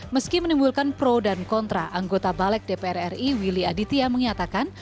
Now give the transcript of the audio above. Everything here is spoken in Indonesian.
meski menimbulkan pro dan kontra anggota balik dprri willy aditya mengatakan